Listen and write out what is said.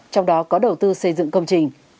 trong đó có đầu tư xây dựng công trình